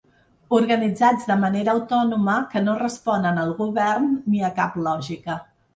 Organitzats de manera autònoma, que no responen al govern ni a cap lògica.